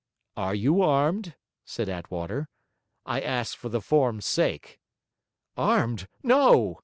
'Are you armed?' said Attwater. 'I ask for the form's sake.' 'Armed? No!'